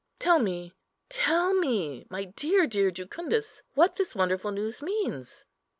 Tell me, tell me, my dear, dear Jucundus, what this wonderful news means."